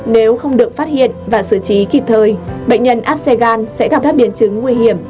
nếu không được phát hiện và xử trí kịp thời bệnh nhân áp xe gan sẽ gặp các biến chứng nguy hiểm